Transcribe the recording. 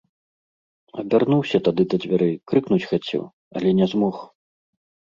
Абярнуўся тады да дзвярэй, крыкнуць хацеў, але не змог.